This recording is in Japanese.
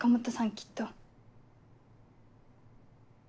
きっと。